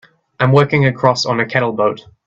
I'm working across on a cattle boat.